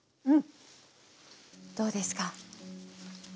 どうですか？